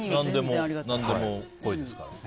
何でも来いですから。